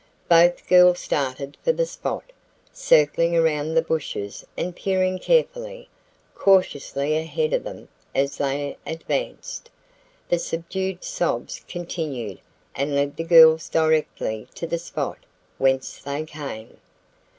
Both girls started for the spot, circling around the bushes and peering carefully, cautiously ahead of them as they advanced. The subdued sobs continued and led the girls directly to the spot whence they came.